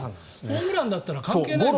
ホームランだったら関係ないもんね。